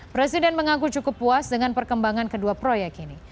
presiden mengaku cukup puas dengan perkembangan kedua proyek ini